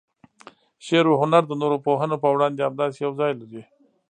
شعر و هنر د نورو پوهنو په وړاندې همداسې یو ځای لري.